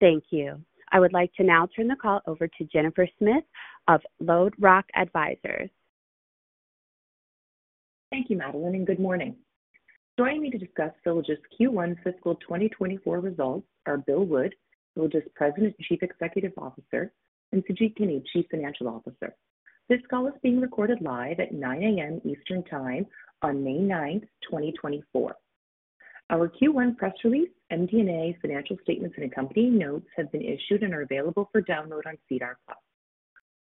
Thank you. I would like to now turn the call over to Jennifer Smith of LodeRock Advisors. Thank you, Madeline, and good morning. Joining me to discuss Sylogist's Q1 Fiscal 2024 results are Bill Wood, Sylogist President and Chief Executive Officer, and Sujit Kini, Chief Financial Officer. This call is being recorded live at 9:00 A.M. Eastern Time on May 9th, 2024. Our Q1 press release, MD&A financial statements, and accompanying notes have been issued and are available for download on SEDAR.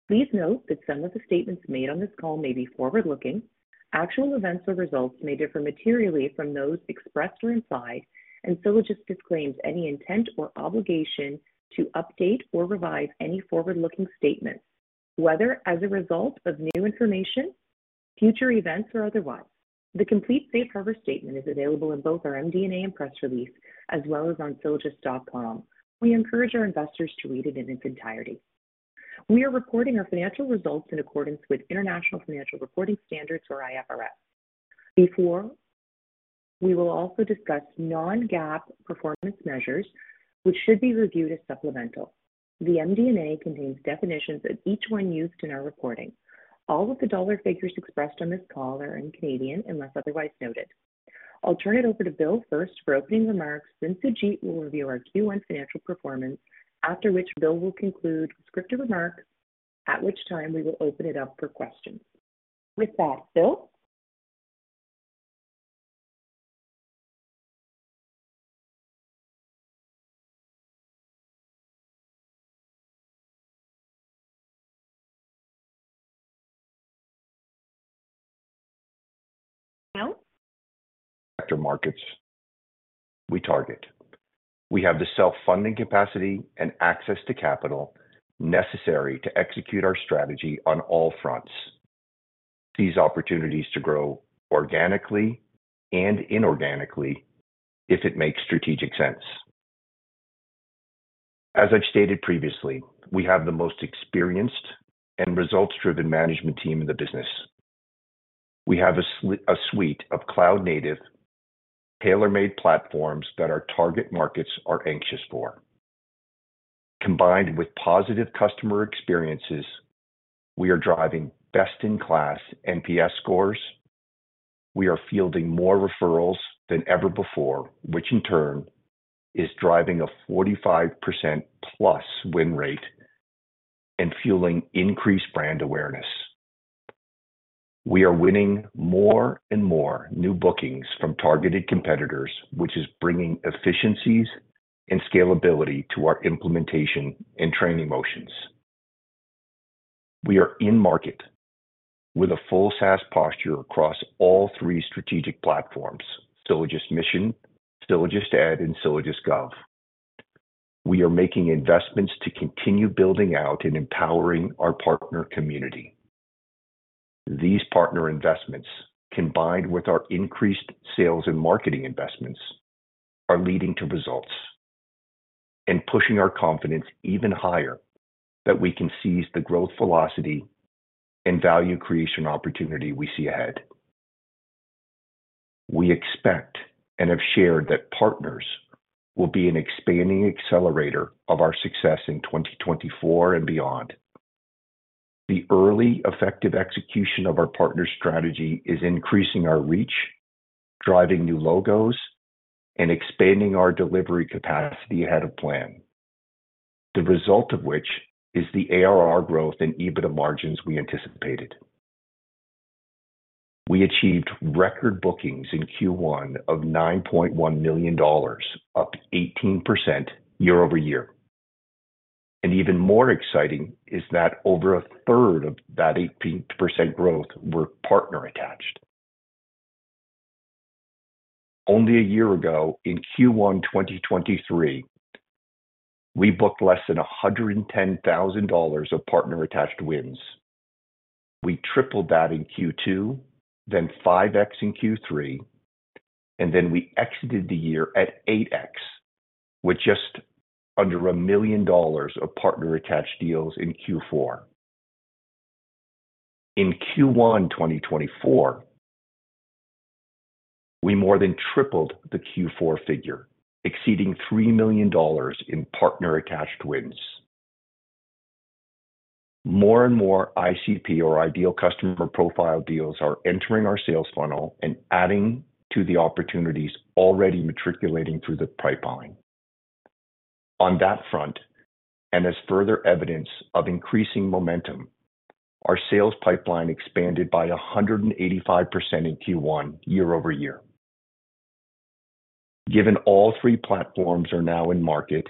Please note that some of the statements made on this call may be forward-looking. Actual events or results may differ materially from those expressed or implied, and Sylogist disclaims any intent or obligation to update or revise any forward-looking statements, whether as a result of new information, future events, or otherwise. The complete safe harbor statement is available in both our MD&A and press release, as well as on sylogist.com. We encourage our investors to read it in its entirety. We are reporting our financial results in accordance with International Financial Reporting Standards, or IFRS. Before, we will also discuss non-GAAP performance measures, which should be reviewed as supplemental. The MD&A contains definitions of each one used in our reporting. All of the dollar figures expressed on this call are in Canadian dollars, unless otherwise noted. I'll turn it over to Bill first for opening remarks, then Sujit will review our Q1 financial performance, after which Bill will conclude scripted remarks, at which time we will open it up for questions. With that, Bill? Now. Sector markets we target. We have the self-funding capacity and access to capital necessary to execute our strategy on all fronts. These opportunities to grow organically and inorganically if it makes strategic sense. As I've stated previously, we have the most experienced and results-driven management team in the business. We have a suite of cloud-native, tailor-made platforms that our target markets are anxious for. Combined with positive customer experiences, we are driving best-in-class NPS scores. We are fielding more referrals than ever before, which in turn is driving a 45%+ win rate and fueling increased brand awareness. We are winning more and more new bookings from targeted competitors, which is bringing efficiencies and scalability to our implementation and training motions. We are in market with a full SaaS posture across all three strategic platforms: SylogistMission, SylogistEd, and SylogistGov. We are making investments to continue building out and empowering our partner community. These partner investments, combined with our increased sales and marketing investments, are leading to results and pushing our confidence even higher that we can seize the growth, velocity, and value creation opportunity we see ahead. We expect, and have shared, that partners will be an expanding accelerator of our success in 2024 and beyond. The early effective execution of our partner strategy is increasing our reach, driving new logos, and expanding our delivery capacity ahead of plan, the result of which is the ARR growth and EBITDA margins we anticipated. We achieved record bookings in Q1 of CAD 9.1 million, up 18% year-over-year. Even more exciting is that over a third of that 18% growth were partner-attached. Only a year ago, in Q1 2023, we booked less than 110,000 dollars of partner-attached wins. We tripled that in Q2, then 5x in Q3, and then we exited the year at 8x, with just under 1 million dollars of partner-attached deals in Q4. In Q1 2024, we more than tripled the Q4 figure, exceeding 3 million dollars in partner-attached wins. More and more ICP, or ideal customer profile, deals are entering our sales funnel and adding to the opportunities already matriculating through the pipeline. On that front, and as further evidence of increasing momentum, our sales pipeline expanded by 185% in Q1 year-over-year. Given all three platforms are now in market,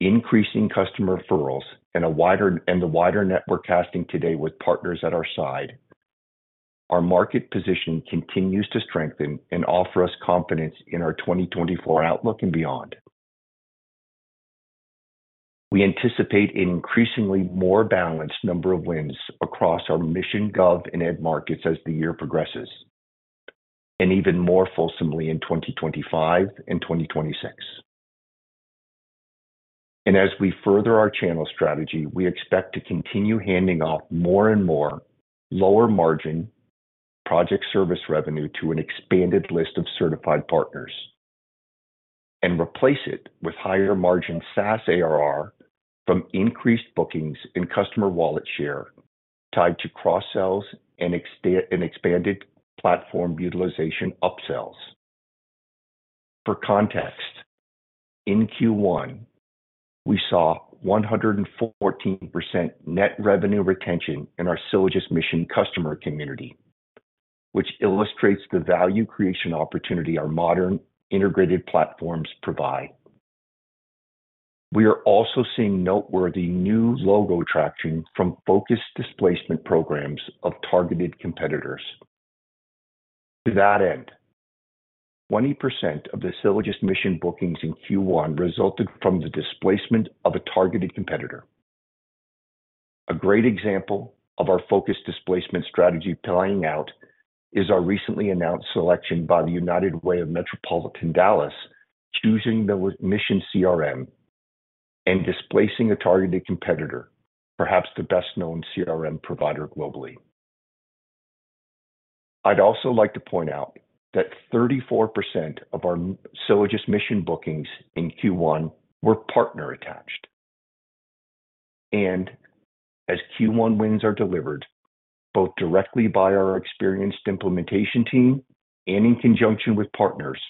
increasing customer referrals and the wider net we're casting today with partners at our side, our market position continues to strengthen and offer us confidence in our 2024 outlook and beyond. We anticipate an increasingly more balanced number of wins across our Mission, Gov, and Ed markets as the year progresses, and even more fulsomely in 2025 and 2026. As we further our channel strategy, we expect to continue handing off more and more lower margin project service revenue to an expanded list of certified partners, and replace it with higher margin SaaS ARR from increased bookings and customer wallet share tied to cross-sells and extra- and expanded platform utilization upsells. For context, in Q1, we saw 114% net revenue retention in our SylogistMission customer community, which illustrates the value creation opportunity our modern integrated platforms provide. We are also seeing noteworthy new logo traction from focused displacement programs of targeted competitors. To that end, 20% of the SylogistMission bookings in Q1 resulted from the displacement of a targeted competitor. A great example of our focused displacement strategy playing out is our recently announced selection by the United Way of Metropolitan Dallas, choosing the Mission CRM and displacing a targeted competitor, perhaps the best-known CRM provider globally. I'd also like to point out that 34% of our SylogistMission bookings in Q1 were partner-attached. As Q1 wins are delivered, both directly by our experienced implementation team and in conjunction with partners,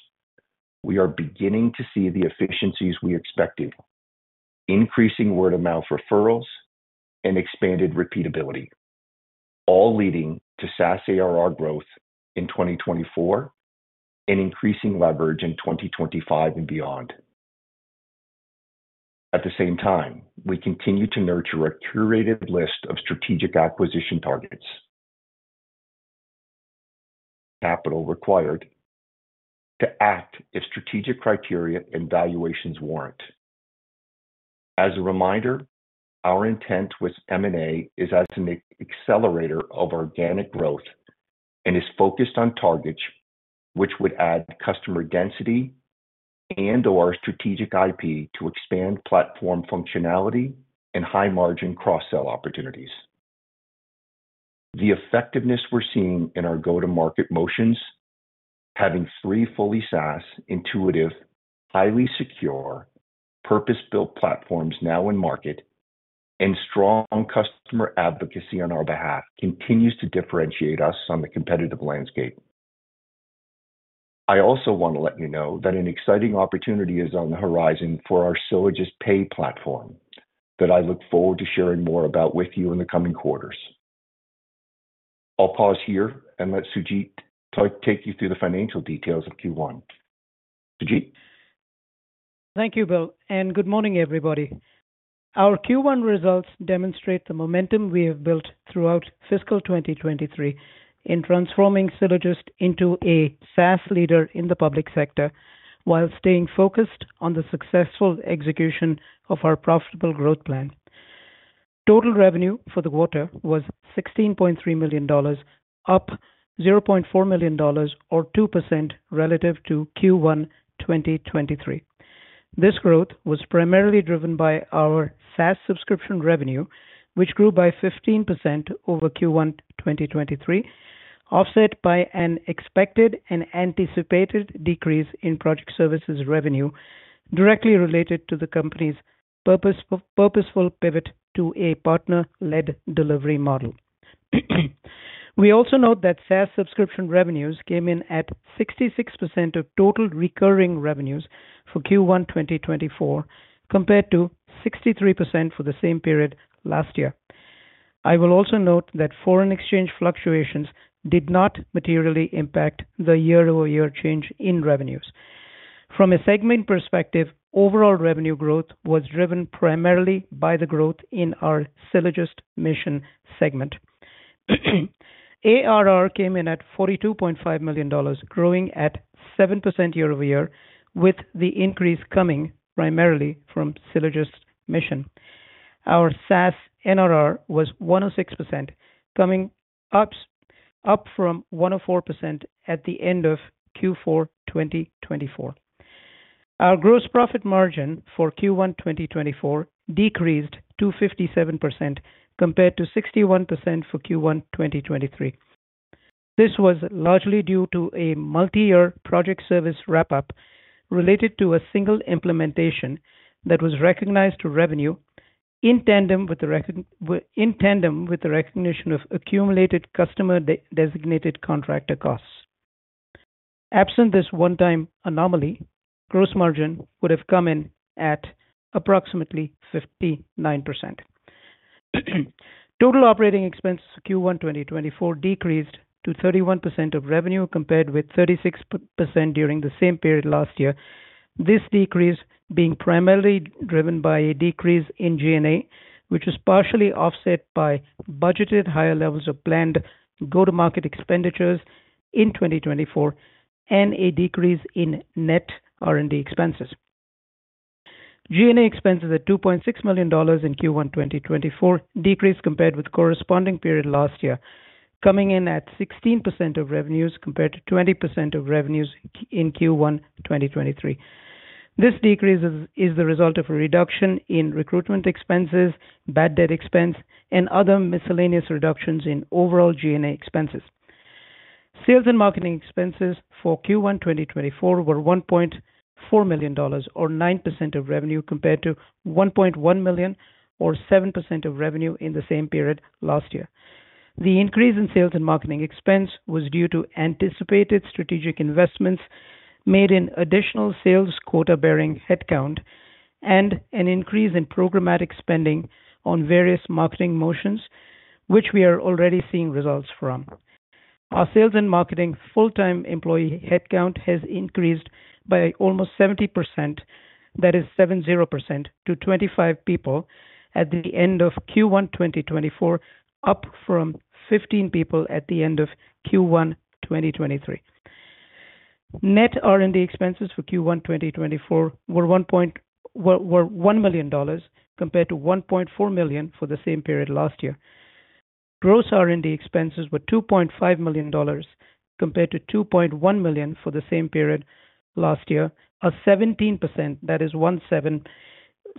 we are beginning to see the efficiencies we expected, increasing word-of-mouth referrals and expanded repeatability, all leading to SaaS ARR growth in 2024 and increasing leverage in 2025 and beyond. At the same time, we continue to nurture a curated list of strategic acquisition targets, capital required to act if strategic criteria and valuations warrant. As a reminder, our intent with M&A is as an accelerator of organic growth and is focused on targets which would add customer density and/or strategic IP to expand platform functionality and high-margin cross-sell opportunities. The effectiveness we're seeing in our go-to-market motions, having three fully SaaS, intuitive, highly secure, purpose-built platforms now in market, and strong customer advocacy on our behalf, continues to differentiate us on the competitive landscape. I also want to let you know that an exciting opportunity is on the horizon for our SylogistPay platform, that I look forward to sharing more about with you in the coming quarters. I'll pause here and let Sujit take you through the financial details of Q1. Sujit? Thank you, Bill, and good morning, everybody. Our Q1 results demonstrate the momentum we have built throughout fiscal 2023 in transforming Sylogist into a SaaS leader in the public sector, while staying focused on the successful execution of our profitable growth plan. Total revenue for the quarter was 16.3 million dollars, up 0.4 million dollars or 2% relative to Q1 2023. This growth was primarily driven by our SaaS subscription revenue, which grew by 15% over Q1 2023, offset by an expected and anticipated decrease in project services revenue, directly related to the company's purposeful pivot to a partner-led delivery model. We also note that SaaS subscription revenues came in at 66% of total recurring revenues for Q1 2024, compared to 63% for the same period last year. I will also note that foreign exchange fluctuations did not materially impact the year-over-year change in revenues. From a segment perspective, overall revenue growth was driven primarily by the growth in our SylogistMission segment. ARR came in at 42.5 million dollars, growing at 7% year-over-year, with the increase coming primarily from SylogistMission. Our SaaS NRR was 106%, up from 104% at the end of Q4 2024. Our gross profit margin for Q1 2024 decreased to 57%, compared to 61% for Q1 2023. This was largely due to a multiyear project service wrap-up related to a single implementation that was recognized to revenue in tandem with the recognition of accumulated customer de-designated contractor costs. Absent this one-time anomaly, gross margin would have come in at approximately 59%. Total operating expense Q1 2024 decreased to 31% of revenue, compared with 36% during the same period last year. This decrease being primarily driven by a decrease in G&A, which was partially offset by budgeted higher levels of planned go-to-market expenditures in 2024, and a decrease in net R&D expenses. G&A expenses at 2.6 million dollars in Q1 2024, decreased compared with corresponding period last year, coming in at 16% of revenues, compared to 20% of revenues in Q1 2023. This decrease is the result of a reduction in recruitment expenses, bad debt expense, and other miscellaneous reductions in overall G&A expenses. Sales and marketing expenses for Q1, 2024, were 1.4 million dollars, or 9% of revenue, compared to 1.1 million, or 7% of revenue in the same period last year. The increase in sales and marketing expense was due to anticipated strategic investments made in additional sales quota-bearing headcount and an increase in programmatic spending on various marketing motions, which we are already seeing results from. Our sales and marketing full-time employee headcount has increased by almost 70%, that is 70%, to 25 people at the end of Q1, 2024, up from 15 people at the end of Q1, 2023. Net R&D expenses for Q1, 2024, were 1 million dollars, compared to 1.4 million for the same period last year. Gross R&D expenses were $2.5 million, compared to $2.1 million for the same period last year, a 17%, that is one seven,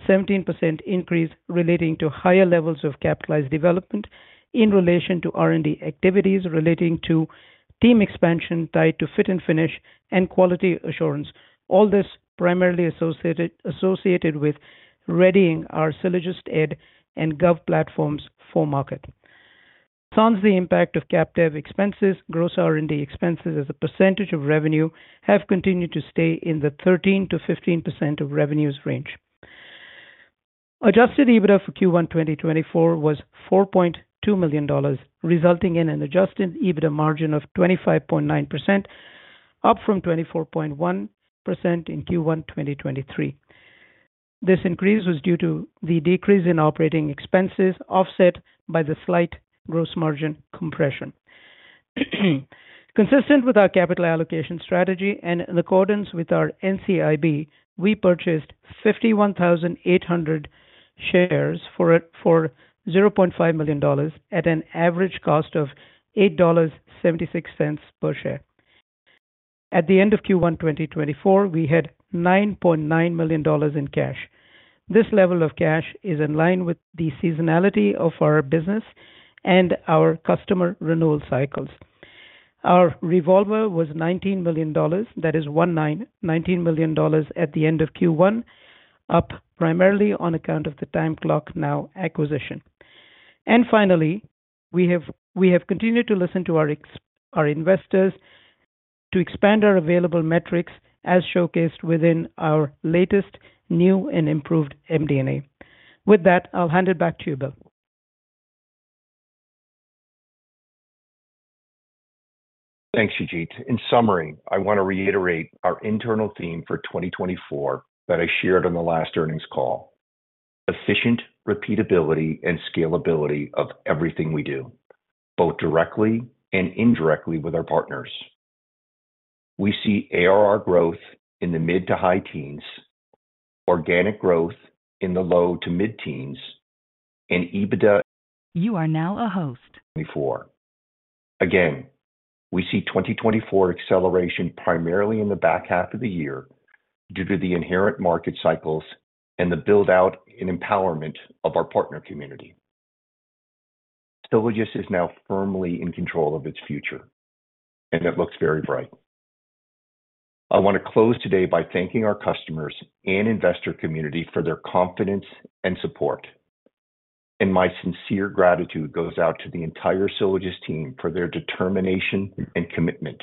17% increase relating to higher levels of capitalized development in relation to R&D activities, relating to team expansion tied to fit and finish and quality assurance. All this primarily associated with readying our SylogistEd and SylogistGov platforms for market. Sans the impact of cap dev expenses, gross R&D expenses as a percentage of revenue have continued to stay in the 13%-15% of revenues range. Adjusted EBITDA for Q1, 2024, was $4.2 million, resulting in an Adjusted EBITDA margin of 25.9%, up from 24.1% in Q1, 2023. This increase was due to the decrease in operating expenses, offset by the slight gross margin compression. Consistent with our capital allocation strategy and in accordance with our NCIB, we purchased 51,800 shares for it, for 0.5 million dollars at an average cost of 8.76 dollars per share. At the end of Q1, 2024, we had 9.9 million dollars in cash. This level of cash is in line with the seasonality of our business and our customer renewal cycles. Our revolver was 19 million dollars. That is 19, 19 million dollars at the end of Q1, up primarily on account of the TimeClockNow acquisition. And finally, we have continued to listen to our investors to expand our available metrics as showcased within our latest new and improved MD&A. With that, I'll hand it back to you, Bill. Thanks, Sujit. In summary, I want to reiterate our internal theme for 2024 that I shared on the last earnings call: efficient repeatability and scalability of everything we do, both directly and indirectly with our partners. We see ARR growth in the mid to high teens, organic growth in the low to mid-teens, and EBITDA- Again, we see 2024 acceleration primarily in the back half of the year due to the inherent market cycles and the build-out and empowerment of our partner community. Sylogist is now firmly in control of its future, and it looks very bright. I want to close today by thanking our customers and investor community for their confidence and support, and my sincere gratitude goes out to the entire Sylogist team for their determination and commitment.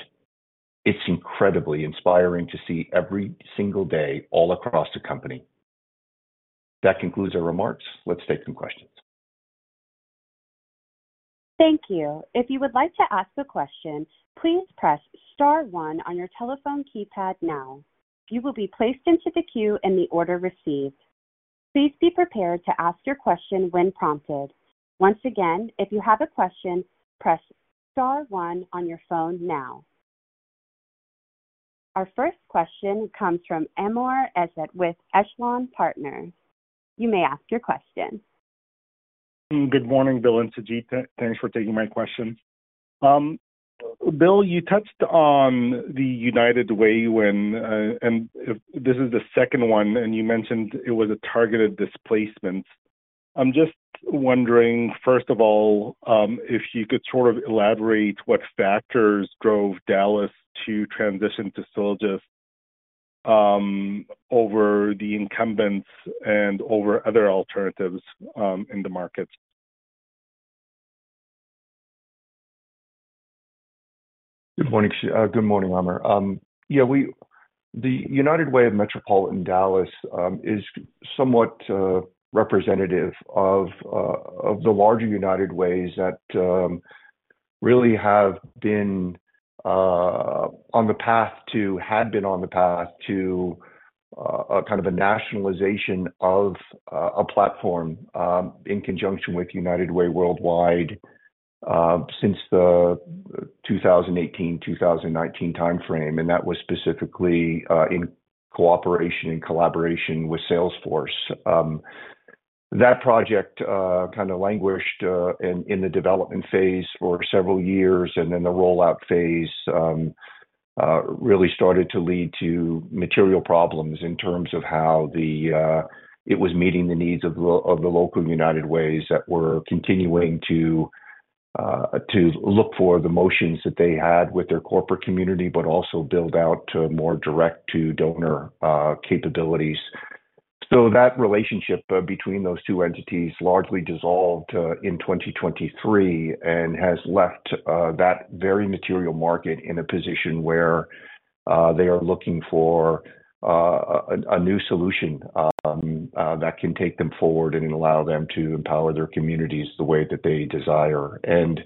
It's incredibly inspiring to see every single day all across the company. That concludes our remarks. Let's take some questions. Thank you. If you would like to ask a question, please press star one on your telephone keypad now. You will be placed into the queue in the order received. Please be prepared to ask your question when prompted. Once again, if you have a question, press star one on your phone now. Our first question comes from Amr Ezzat with Echelon Partners. You may ask your question. Good morning, Bill and Sujit. Thanks for taking my question. Bill, you touched on the United Way when, and if this is the second one, and you mentioned it was a targeted displacement. I'm just wondering, first of all, if you could sort of elaborate what factors drove Dallas to transition to Sylogist, over the incumbents and over other alternatives, in the market? Good morning, good morning, Amr. Yeah, the United Way of Metropolitan Dallas is somewhat representative of the larger United Ways that really have been on the path to, had been on the path to a kind of a nationalization of a platform in conjunction with United Way Worldwide since the 2018, 2019 timeframe, and that was specifically in cooperation and collaboration with Salesforce. That project kind of languished in the development phase for several years, and then the rollout phase really started to lead to material problems in terms of how it was meeting the needs of the local United Ways that were continuing to look for the motions that they had with their corporate community, but also build out to more direct-to-donor capabilities. So that relationship between those two entities largely dissolved in 2023 and has left that very material market in a position where they are looking for a new solution that can take them forward and allow them to empower their communities the way that they desire. And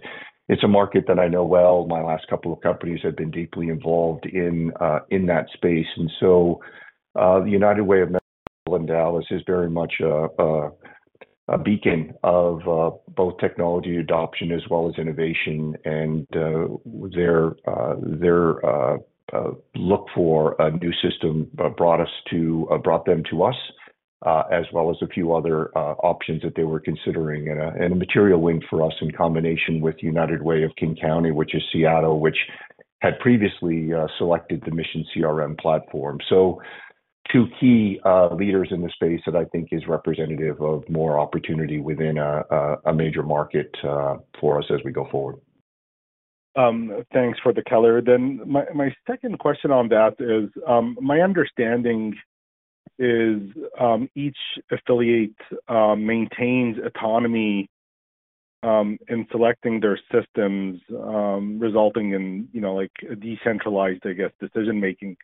it's a market that I know well. My last couple of companies have been deeply involved in that space. And so, the United Way of Metropolitan Dallas is very much a beacon of both technology adoption as well as innovation. And their look for a new system brought them to us, as well as a few other options that they were considering. And a material link for us in combination with United Way of King County, which is Seattle, which had previously selected the Mission CRM platform. So two key leaders in the space that I think is representative of more opportunity within a major market for us as we go forward. Thanks for the color. Then, my second question on that is, my understanding is, each affiliate maintains autonomy in selecting their systems, resulting in, you know, like, decentralized, I guess, decision-making.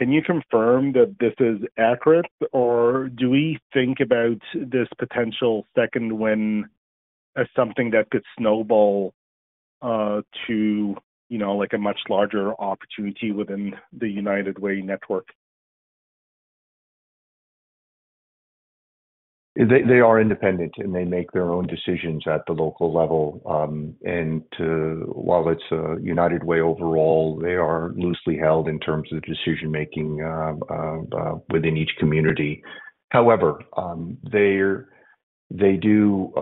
Can you confirm that this is accurate, or do we think about this potential second win as something that could snowball to, you know, like a much larger opportunity within the United Way network? They are independent, and they make their own decisions at the local level. And while it's United Way overall, they are loosely held in terms of decision making within each community. However, they do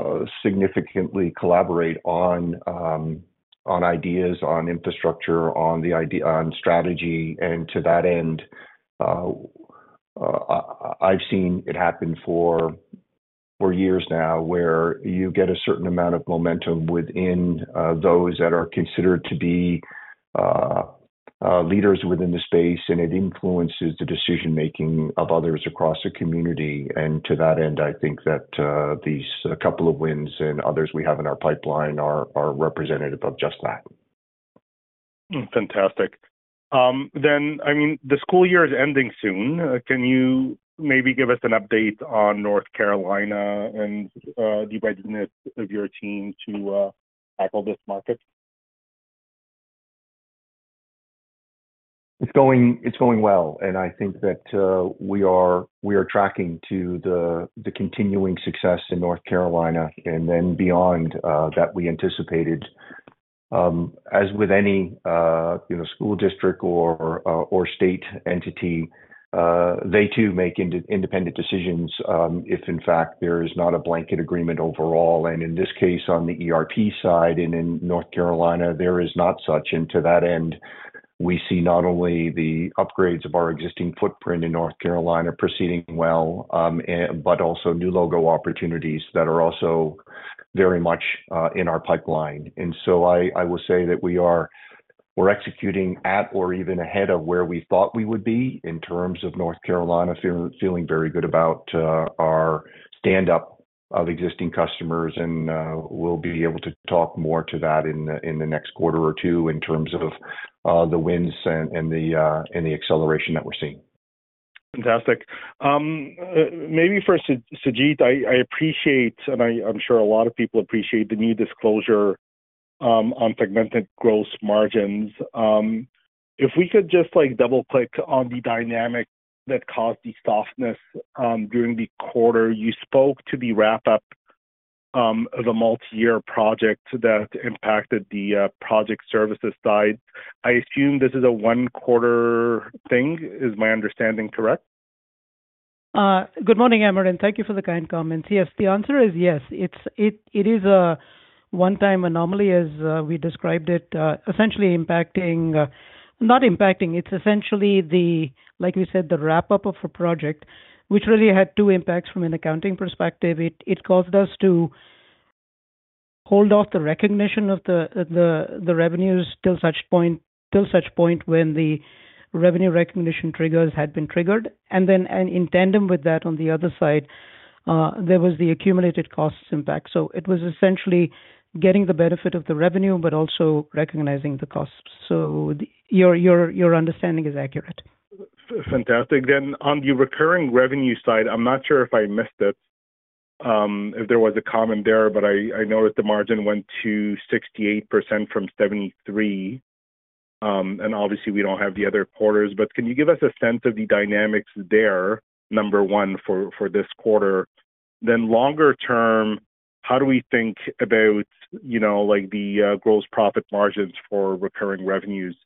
significantly collaborate on ideas, on infrastructure, on the idea, on strategy. And to that end, I've seen it happen for years now, where you get a certain amount of momentum within those that are considered to be leaders within the space, and it influences the decision making of others across the community, and to that end, I think that these couple of wins and others we have in our pipeline are representative of just that. Fantastic. Then, I mean, the school year is ending soon. Can you maybe give us an update on North Carolina and the readiness of your team to tackle this market? It's going, it's going well, and I think that we are tracking to the continuing success in North Carolina and then beyond that we anticipated. As with any, you know, school district or state entity, they too make independent decisions if in fact there is not a blanket agreement overall. And in this case, on the ERP side and in North Carolina, there is not such. And to that end, we see not only the upgrades of our existing footprint in North Carolina proceeding well, and but also new logo opportunities that are also very much in our pipeline. And so I will say that we're executing at or even ahead of where we thought we would be in terms of North Carolina. Feeling very good about our stand up of existing customers, and we'll be able to talk more to that in the next quarter or two in terms of the wins and the acceleration that we're seeing. Fantastic. Maybe for Sujit, I appreciate, and I'm sure a lot of people appreciate the new disclosure on segmented gross margins. If we could just, like, double-click on the dynamic that caused the softness during the quarter. You spoke to the wrap-up of a multi-year project that impacted the project services side. I assume this is a one-quarter thing. Is my understanding correct? Good morning, Amr, thank you for the kind comments. Yes, the answer is yes. It's, it, it is a one-time anomaly, as, we described it, essentially impacting, not impacting, it's essentially the, like we said, the wrap-up of a project, which really had two impacts from an accounting perspective. It, it caused us to hold off the recognition of the, the, the revenues till such point, till such point when the revenue recognition triggers had been triggered. And then, and in tandem with that, on the other side, there was the accumulated costs impact. So it was essentially getting the benefit of the revenue, but also recognizing the costs. So your, your, your understanding is accurate. Fantastic. Then on the recurring revenue side, I'm not sure if I missed it, if there was a comment there, but I, I noticed the margin went to 68% from 73%. And obviously, we don't have the other quarters, but can you give us a sense of the dynamics there, number one, for, for this quarter? Then longer term, how do we think about, you know, like the, gross profit margins for recurring revenues?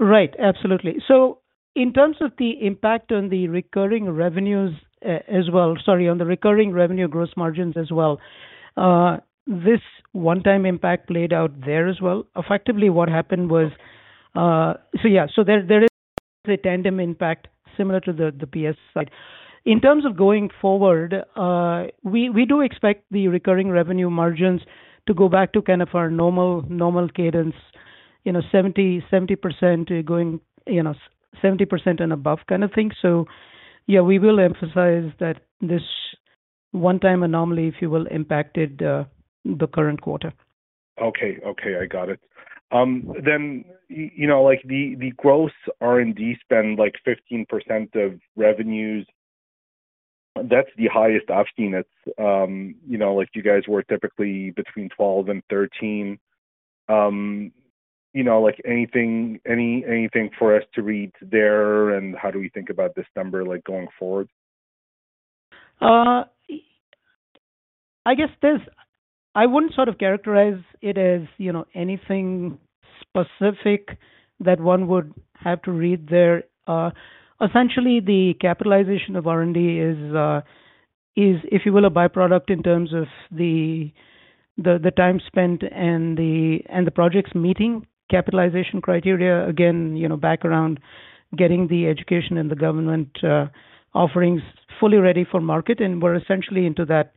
...Right. Absolutely. So in terms of the impact on the recurring revenues, as well, sorry, on the recurring revenue gross margins as well, this one-time impact played out there as well. Effectively, what happened was, so yeah, so there, there is a tandem impact similar to the, the PS side. In terms of going forward, we, we do expect the recurring revenue margins to go back to kind of our normal, normal cadence, you know, 70, 70%, going, you know, 70% and above kind of thing. So, yeah, we will emphasize that this one-time anomaly, if you will, impacted the current quarter. Okay. Okay, I got it. Then, you know, like, the gross R&D spend, like, 15% of revenues, that's the highest I've seen it. You know, like, you guys were typically between 12% and 13%, you know, like anything for us to read there, and how do we think about this number, like, going forward? I guess there's... I wouldn't sort of characterize it as, you know, anything specific that one would have to read there. Essentially, the capitalization of R&D is, if you will, a by-product in terms of the time spent and the projects meeting capitalization criteria. Again, you know, back around getting the education and the government offerings fully ready for market, and we're essentially into that,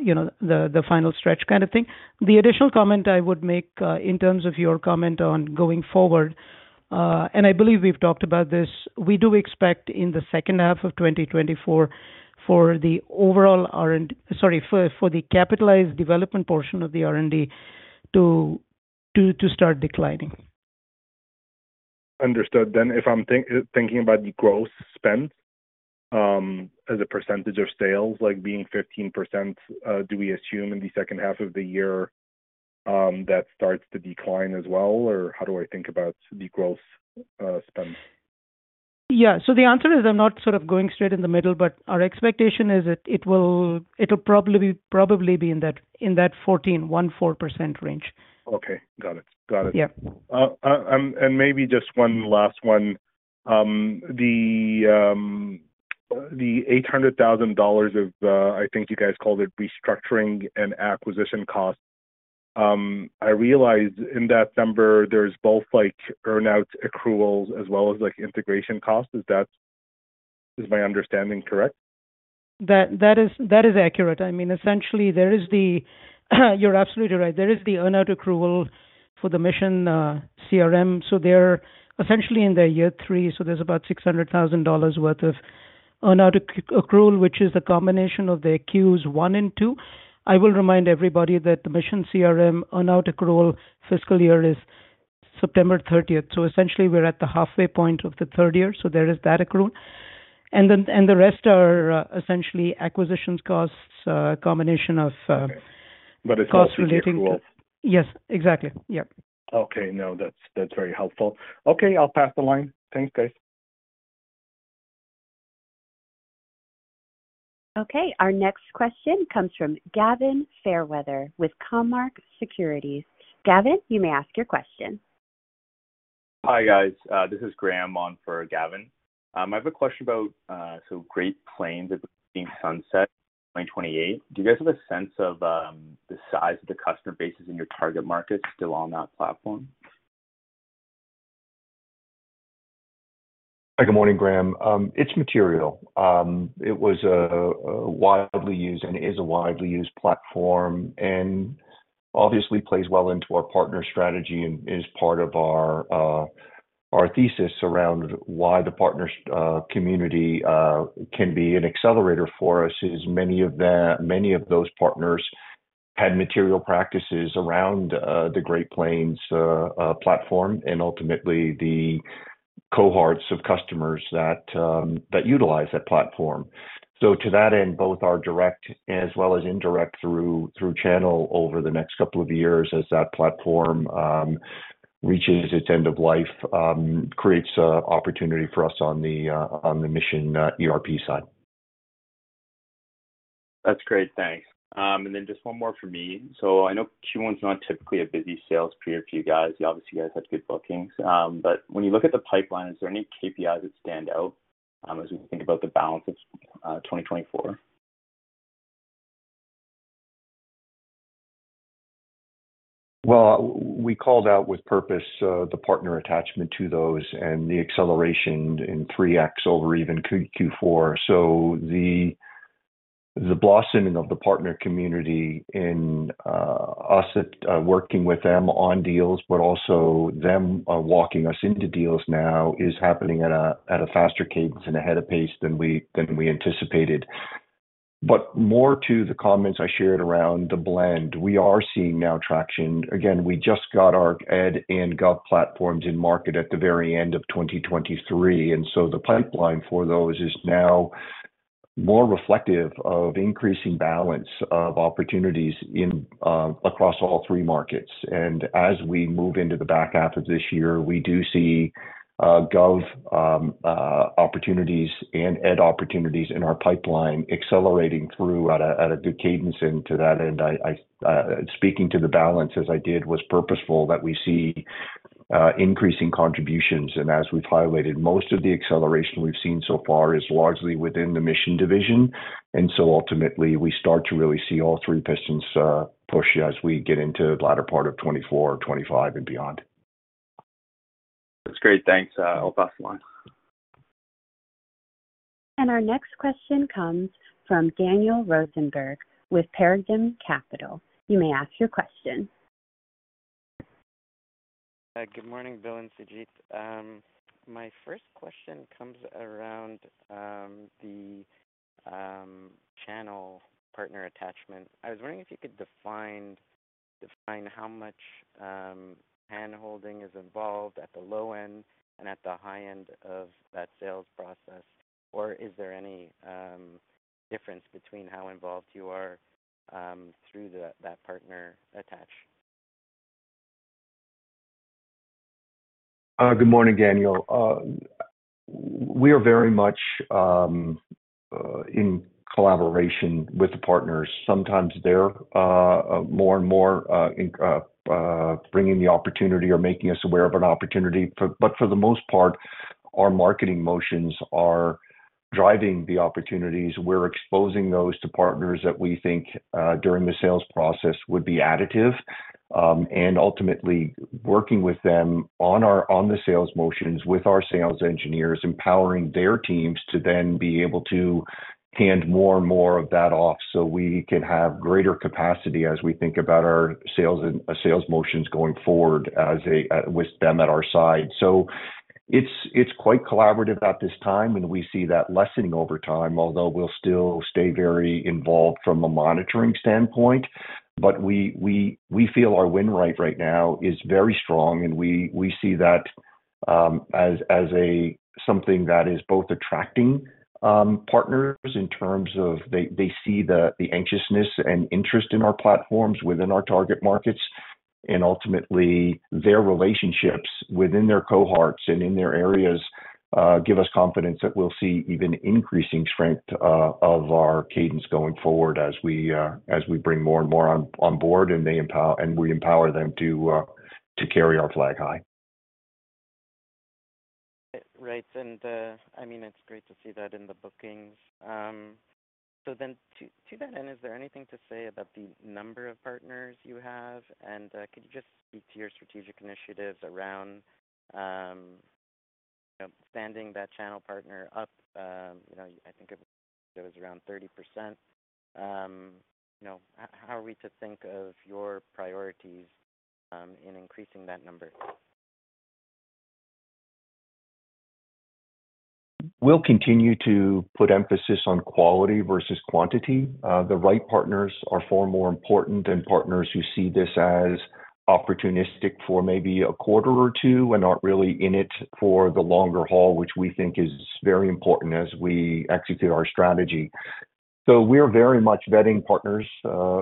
you know, the final stretch kind of thing. The additional comment I would make, in terms of your comment on going forward, and I believe we've talked about this, we do expect in the second half of 2024 for the overall R&D... Sorry, for the capitalized development portion of the R&D to start declining. Understood. Then, if I'm thinking about the growth spend, as a percentage of sales, like being 15%, do we assume in the second half of the year, that starts to decline as well, or how do I think about the growth spend? Yeah. The answer is, I'm not sort of going straight in the middle, but our expectation is that it'll probably be in that 14.14% range. Okay. Got it. Got it. Yeah. And maybe just one last one. The 800,000 dollars of, I think you guys called it restructuring and acquisition costs. I realize in that number, there's both, like, earn-out accruals as well as, like, integration costs. Is that my understanding correct? That is accurate. I mean, essentially, there is the... You're absolutely right. There is the earn-out accrual for the Mission CRM. So they're essentially in their year three, so there's about 600,000 dollars worth of earn-out accrual, which is a combination of the Q1 and Q2. I will remind everybody that the Mission CRM earn-out accrual fiscal year is September thirtieth. So essentially, we're at the halfway point of the third year, so there is that accrual. And then the rest are essentially acquisition costs, combination of- Okay. costs relating to- But it's all accrual. Yes, exactly. Yep. Okay. No, that's, that's very helpful. Okay, I'll pass the line. Thanks, guys. Okay. Our next question comes from Gavin Fairweather with Cormark Securities. Gavin, you may ask your question. Hi, guys. This is Graham on for Gavin. I have a question about so Great Plains being sunset in 2028. Do you guys have a sense of the size of the customer bases in your target market still on that platform? Hi, good morning, Graham. It's material. It was a widely used and is a widely used platform, and obviously plays well into our partner strategy and is part of our thesis around why the partners community can be an accelerator for us, is many of them, many of those partners had material practices around the Great Plains platform, and ultimately the cohorts of customers that utilize that platform. So to that end, both our direct as well as indirect through channel over the next couple of years as that platform reaches its end of life creates an opportunity for us on the Mission ERP side. That's great. Thanks. And then just one more for me. So I know Q1 is not typically a busy sales period for you guys. Obviously, you guys had good bookings. But when you look at the pipeline, is there any KPIs that stand out, as we think about the balance of 2024? Well, we called out with purpose the partner attachment to those and the acceleration in 3x over even Q4. So the blossoming of the partner community and us working with them on deals, but also them walking us into deals now is happening at a faster cadence and ahead of pace than we anticipated. But more to the comments I shared around the blend, we are seeing now traction. Again, we just got our Ed and Gov platforms in market at the very end of 2023, and so the pipeline for those is now more reflective of increasing balance of opportunities in across all three markets. And as we move into the back half of this year, we do see-... Gov opportunities and Ed opportunities in our pipeline, accelerating at a good cadence. To that end, speaking to the balance as I did was purposeful, that we see increasing contributions. As we've highlighted, most of the acceleration we've seen so far is largely within the Mission division. So ultimately, we start to really see all three pistons push as we get into the latter part of 2024, 2025, and beyond. That's great. Thanks. I'll pass the line. Our next question comes from Daniel Rosenberg with Paradigm Capital. You may ask your question. Good morning, Bill and Sujit. My first question comes around the channel partner attachment. I was wondering if you could define how much handholding is involved at the low end and at the high end of that sales process, or is there any difference between how involved you are through that partner attach? Good morning, Daniel. We are very much in collaboration with the partners. Sometimes they're more and more in bringing the opportunity or making us aware of an opportunity. But for the most part, our marketing motions are driving the opportunities. We're exposing those to partners that we think during the sales process would be additive, and ultimately working with them on our sales motions, with our sales engineers, empowering their teams to then be able to hand more and more of that off, so we can have greater capacity as we think about our sales motions going forward, as with them at our side. So it's quite collaborative at this time, and we see that lessening over time, although we'll still stay very involved from a monitoring standpoint. But we feel our win rate right now is very strong, and we see that as something that is both attracting partners in terms of they see the anxiousness and interest in our platforms within our target markets, and ultimately their relationships within their cohorts and in their areas give us confidence that we'll see even increasing strength of our cadence going forward as we bring more and more on board, and they empower and we empower them to carry our flag high. Right. And, I mean, it's great to see that in the bookings. So then to, to that end, is there anything to say about the number of partners you have? And, could you just speak to your strategic initiatives around, you know, standing that channel partner up? You know, I think it was around 30%. You know, how are we to think of your priorities, in increasing that number? We'll continue to put emphasis on quality versus quantity. The right partners are far more important than partners who see this as opportunistic for maybe a quarter or two, and aren't really in it for the longer haul, which we think is very important as we execute our strategy. So we're very much vetting partners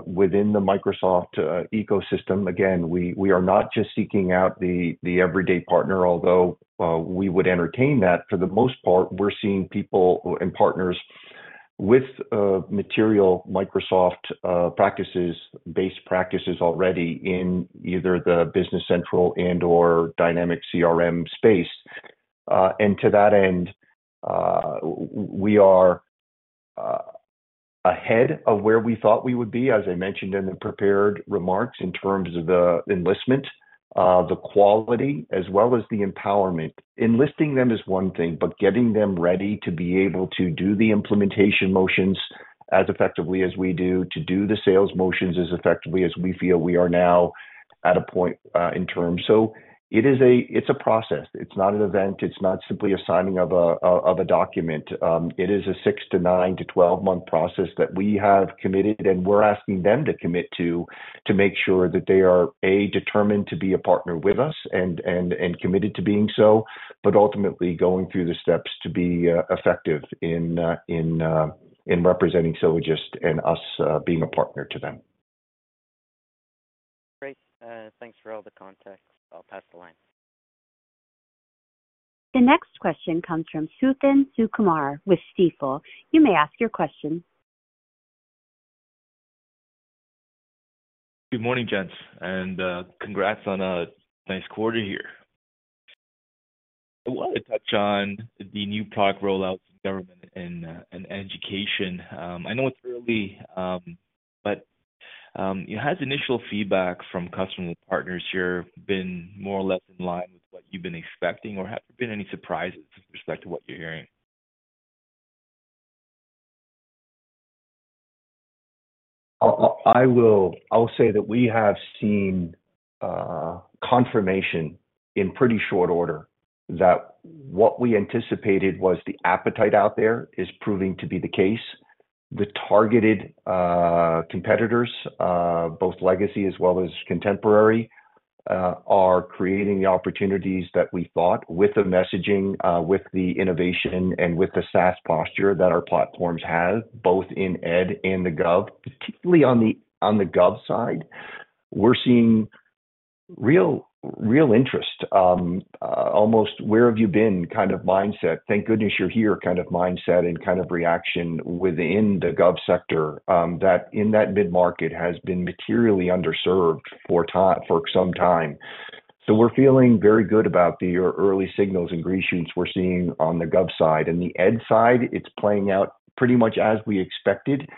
within the Microsoft ecosystem. Again, we are not just seeking out the everyday partner, although we would entertain that. For the most part, we're seeing people and partners with material Microsoft-based practices already in either the Business Central and/or Dynamics CRM space. And to that end, we are ahead of where we thought we would be, as I mentioned in the prepared remarks, in terms of the enlistment, the quality, as well as the empowerment. Enlisting them is one thing, but getting them ready to be able to do the implementation motions as effectively as we do, to do the sales motions as effectively as we feel we are now, at a point in terms. So it is a process. It's not an event. It's not simply a signing of a document. It is a 6-9-12-month process that we have committed, and we're asking them to commit to, to make sure that they are, A, determined to be a partner with us, and committed to being so, but ultimately going through the steps to be effective in representing Sylogist and us being a partner to them. Great. Thanks for all the context. I'll pass the line. The next question comes from Suthan Sukumar with Stifel. You may ask your question. Good morning, gents, and congrats on a nice quarter here. I wanted to touch on the new product rollouts in government and and education. I know it's early, but has initial feedback from customer partners here been more or less in line with what you've been expecting, or have there been any surprises with respect to what you're hearing? I will say that we have seen confirmation in pretty short order, that what we anticipated was the appetite out there is proving to be the case. The targeted competitors, both legacy as well as contemporary, are creating the opportunities that we thought with the messaging, with the innovation and with the SaaS posture that our platforms have, both in Ed and the Gov. Particularly on the Gov side. We're seeing real, real interest, almost where have you been kind of mindset. Thank goodness you're here, kind of mindset and kind of reaction within the Gov sector, that in that mid-market has been materially underserved for some time. So we're feeling very good about the early signals and green shoots we're seeing on the Gov side. And the Ed side, it's playing out pretty much as we expected. It's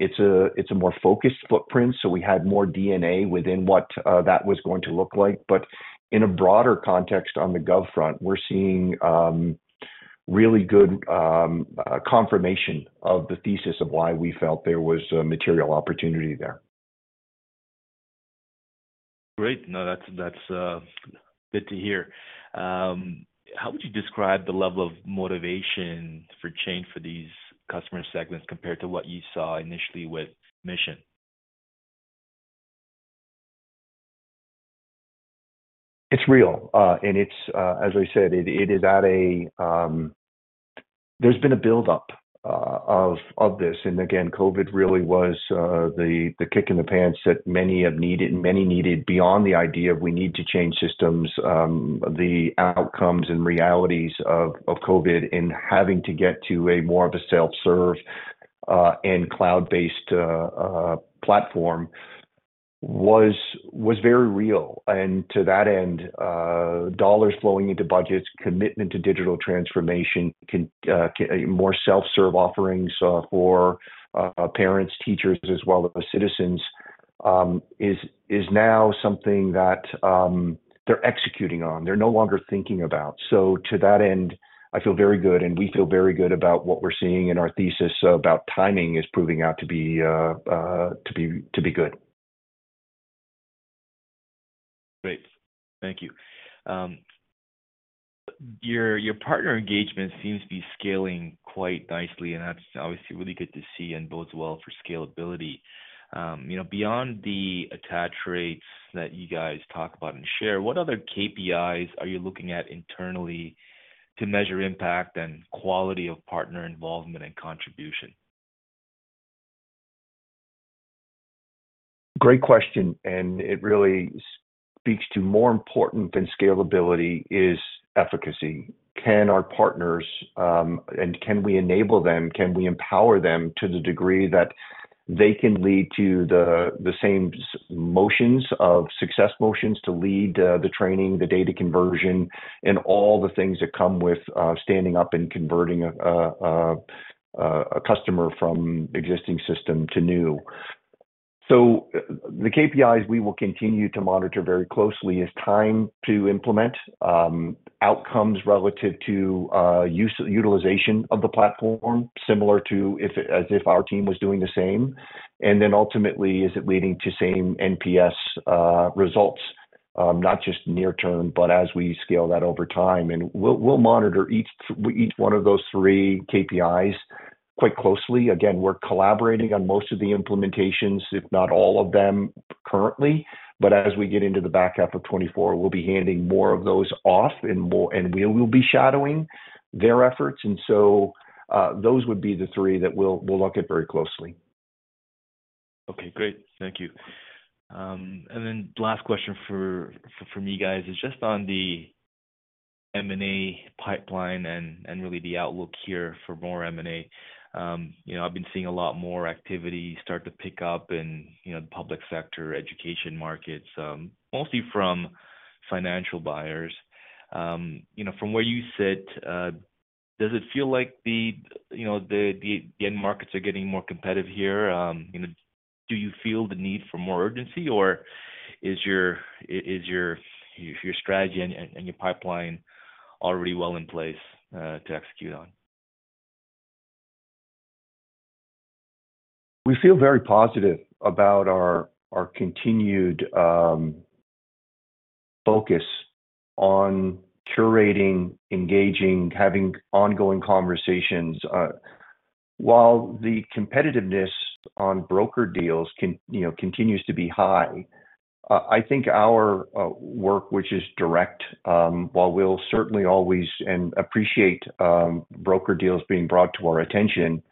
a, it's a more focused footprint, so we had more DNA within what, that was going to look like. But in a broader context, on the Gov front, we're seeing, really good, confirmation of the thesis of why we felt there was a material opportunity there. Great. No, that's, that's good to hear. How would you describe the level of motivation for change for these customer segments compared to what you saw initially with Mission? It's real. And it's, as I said, it is at a, there's been a build-up of this, and again, COVID really was the kick in the pants that many needed beyond the idea of we need to change systems, the outcomes and realities of COVID and having to get to a more of a self-serve and cloud-based platform was very real. And to that end, dollars flowing into budgets, commitment to digital transformation, more self-serve offerings for parents, teachers, as well as citizens, is now something that they're executing on. They're no longer thinking about. So to that end, I feel very good, and we feel very good about what we're seeing, and our thesis about timing is proving out to be good. Great. Thank you. Your partner engagement seems to be scaling quite nicely, and that's obviously really good to see and bodes well for scalability. You know, beyond the attach rates that you guys talk about and share, what other KPIs are you looking at internally to measure impact and quality of partner involvement and contribution? Great question, and it really speaks to more important than scalability is efficacy. Can our partners, and can we enable them, can we empower them to the degree that they can lead to the, the same motions of success to lead, the training, the data conversion, and all the things that come with, standing up and converting a customer from existing system to new? So the KPIs we will continue to monitor very closely is time to implement, outcomes relative to, utilization of the platform, similar to as if our team was doing the same, and then ultimately, is it leading to same NPS results, not just near term, but as we scale that over time. And we'll monitor each one of those three KPIs quite closely. Again, we're collaborating on most of the implementations, if not all of them, currently, but as we get into the back half of 2024, we'll be handing more of those off, and we will be shadowing their efforts. So, those would be the three that we'll look at very closely. Okay, great. Thank you. And then the last question from me, guys, is just on the M&A pipeline and really the outlook here for more M&A. You know, I've been seeing a lot more activity start to pick up in, you know, the public sector, education markets, mostly from financial buyers. You know, from where you sit, does it feel like the, you know, the end markets are getting more competitive here? You know, do you feel the need for more urgency, or is your strategy and your pipeline already well in place to execute on? We feel very positive about our continued focus on curating, engaging, having ongoing conversations. While the competitiveness on broker deals, you know, continues to be high, I think our work, which is direct, while we'll certainly always and appreciate broker deals being brought to our attention,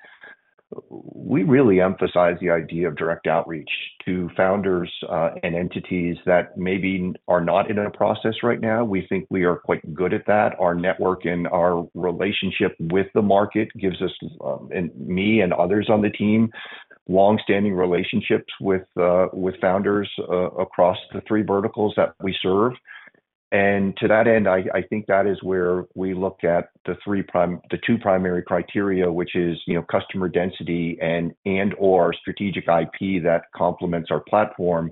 we really emphasize the idea of direct outreach to founders and entities that maybe are not in a process right now. We think we are quite good at that. Our network and our relationship with the market gives us and me and others on the team long-standing relationships with founders across the three verticals that we serve. To that end, I think that is where we look at the two primary criteria, which is, you know, customer density and/or strategic IP that complements our platform.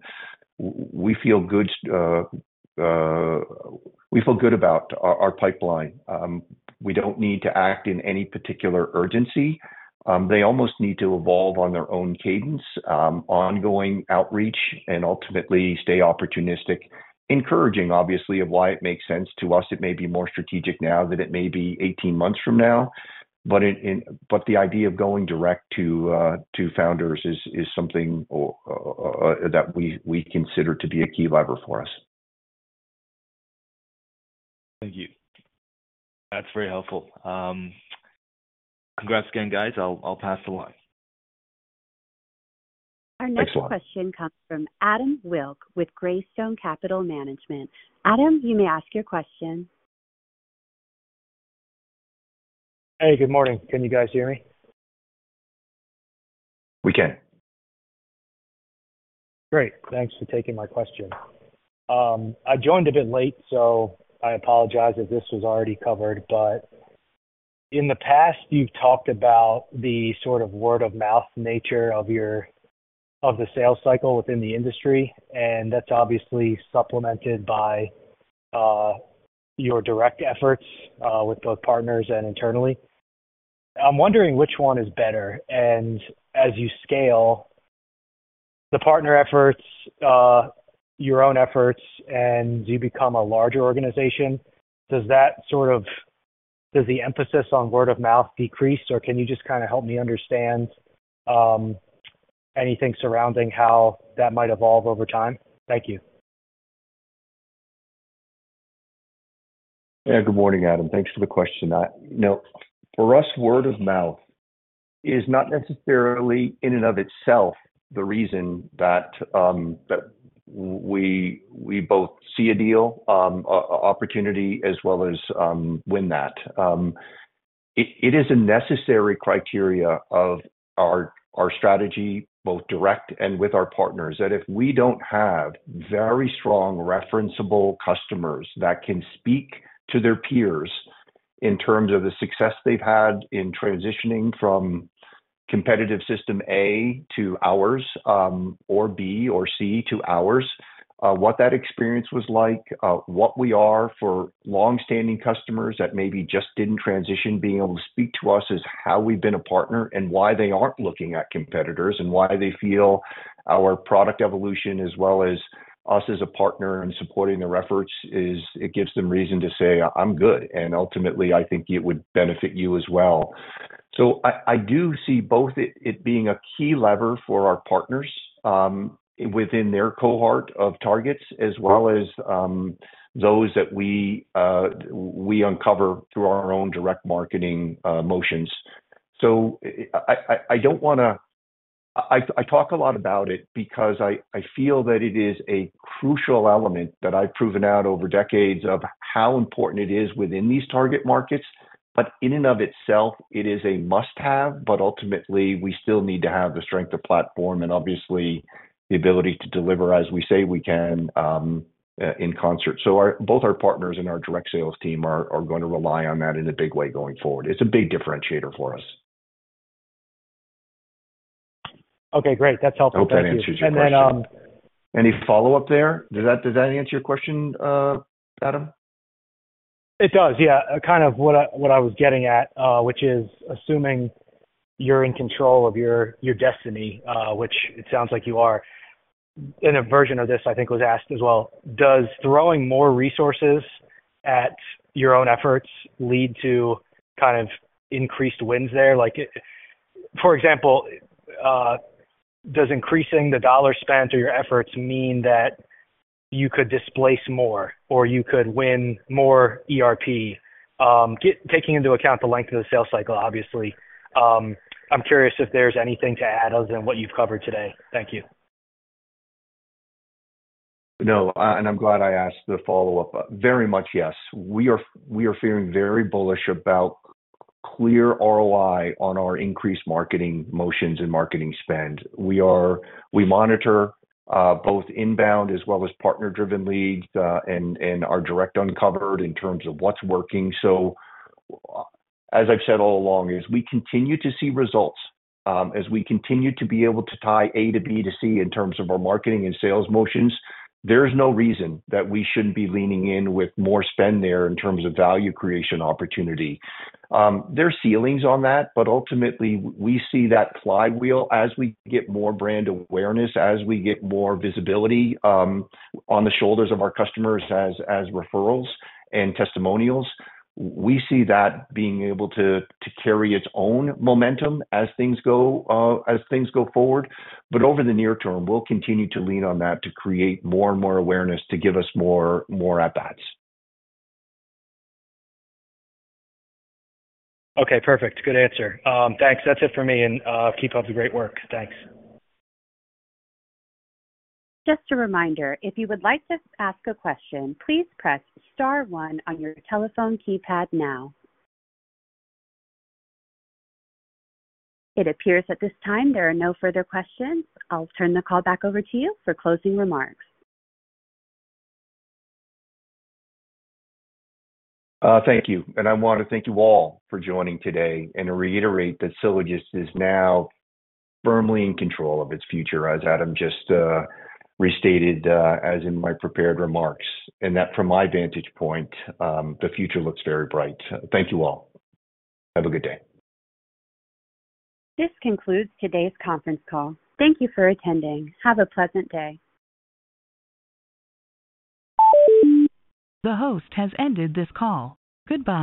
We feel good about our pipeline. We don't need to act in any particular urgency. They almost need to evolve on their own cadence, ongoing outreach, and ultimately stay opportunistic, encouraging, obviously, of why it makes sense to us. It may be more strategic now than it may be 18 months from now, but the idea of going direct to founders is something that we consider to be a key lever for us.... Thank you. That's very helpful. Congrats again, guys. I'll pass along. Thanks a lot. Our next question comes from Adam Wilk with Greystone Capital Management. Adam, you may ask your question. Hey, good morning. Can you guys hear me? We can. Great. Thanks for taking my question. I joined a bit late, so I apologize if this was already covered, but in the past, you've talked about the sort of word-of-mouth nature of your sales cycle within the industry, and that's obviously supplemented by your direct efforts with both partners and internally. I'm wondering which one is better, and as you scale the partner efforts, your own efforts, and you become a larger organization, does that sort of does the emphasis on word of mouth decrease, or can you just kind of help me understand anything surrounding how that might evolve over time? Thank you. Yeah, good morning, Adam. Thanks for the question. You know, for us, word of mouth is not necessarily in and of itself the reason that we both see a deal opportunity as well as win that. It is a necessary criteria of our strategy, both direct and with our partners, that if we don't have very strong referenceable customers that can speak to their peers in terms of the success they've had in transitioning from competitive system A to ours, or B or C to ours, what that experience was like, what we are for long-standing customers that maybe just didn't transition. Being able to speak to us as how we've been a partner and why they aren't looking at competitors, and why they feel our product evolution, as well as us as a partner in supporting their efforts, is it gives them reason to say, "I'm good, and ultimately, I think it would benefit you as well." So I do see both it being a key lever for our partners within their cohort of targets, as well as those that we uncover through our own direct marketing motions. So I don't wanna... I talk a lot about it because I feel that it is a crucial element that I've proven out over decades of how important it is within these target markets. But in and of itself, it is a must-have, but ultimately, we still need to have the strength of platform and obviously the ability to deliver as we say we can, in concert. So both our partners and our direct sales team are going to rely on that in a big way going forward. It's a big differentiator for us. Okay, great. That's helpful. I hope that answers your question. And then, Any follow-up there? Does that, does that answer your question, Adam? It does, yeah. Kind of what I, what I was getting at, which is assuming you're in control of your, your destiny, which it sounds like you are, and a version of this, I think, was asked as well: Does throwing more resources at your own efforts lead to kind of increased wins there? Like, for example, does increasing the dollar spend or your efforts mean that you could displace more, or you could win more ERP? Taking into account the length of the sales cycle, obviously, I'm curious if there's anything to add other than what you've covered today. Thank you. No, and I'm glad I asked the follow-up. Very much, yes. We are, we are feeling very bullish about clear ROI on our increased marketing motions and marketing spend. We monitor both inbound as well as partner-driven leads, and, and our direct uncovered in terms of what's working. So, as I've said all along, is we continue to see results, as we continue to be able to tie A to B to C in terms of our marketing and sales motions, there's no reason that we shouldn't be leaning in with more spend there in terms of value creation opportunity. There are ceilings on that, but ultimately, we see that flywheel as we get more brand awareness, as we get more visibility, on the shoulders of our customers as, as referrals and testimonials. We see that being able to carry its own momentum as things go, as things go forward. But over the near term, we'll continue to lean on that to create more and more awareness, to give us more, more at bats. Okay, perfect. Good answer. Thanks. That's it for me, and keep up the great work. Thanks. Just a reminder, if you would like to ask a question, please press star one on your telephone keypad now. It appears at this time there are no further questions. I'll turn the call back over to you for closing remarks. Thank you. I want to thank you all for joining today and reiterate that Sylogist is now firmly in control of its future, as Adam just restated, as in my prepared remarks, and that from my vantage point, the future looks very bright. Thank you all. Have a good day. This concludes today's conference call. Thank you for attending. Have a pleasant day. The host has ended this call. Goodbye.